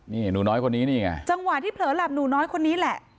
นี่หนูน้อยคนนี้นี่ไงจังหวะที่เผลอหลับหนูน้อยคนนี้แหละ